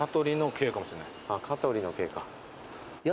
香取のＫか。